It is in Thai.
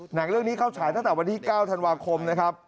หนังเรื่องนี้เข้าฉายตั้งแต่วันที่๙ธันวาคมนะครับ